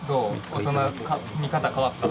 大人見方変わった？